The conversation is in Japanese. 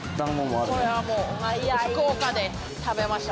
あっこれはもう福岡で食べました